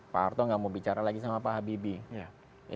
pak arto tidak mau bicara lagi sama pak habibie